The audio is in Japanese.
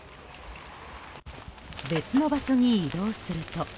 別の場所に移動すると。